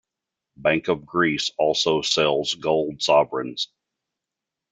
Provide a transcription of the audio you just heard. Bank of Greece also sells gold sovereigns.